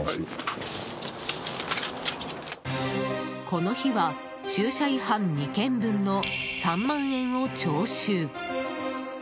この日は駐車違反２件分の３万円を徴収。